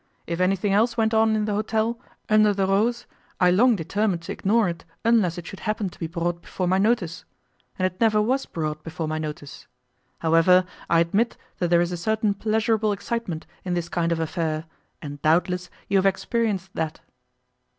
If anything else went on in the hotel, under the rose, I long determined to ignore it unless it should happen to be brought before my notice; and it never was brought before my notice. However, I admit that there is a certain pleasurable excitement in this kind of affair and doubtless you have experienced that.